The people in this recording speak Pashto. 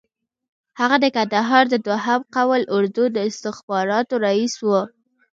هغه د کندهار د دوهم قول اردو د استخباراتو رییس وو.